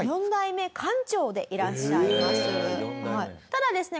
ただですね